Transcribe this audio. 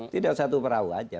tidak satu perahu saja